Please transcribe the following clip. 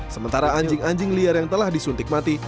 sementara anjing anjing liar yang telah disuntik mati